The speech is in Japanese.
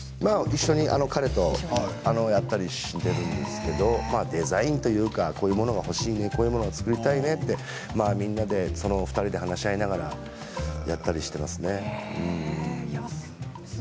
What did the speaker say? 一緒に彼とやったりしているんですけれどもデザインというかこういうもの欲しいね作りたいねってみんなで２人で話しながらやったりしてますね。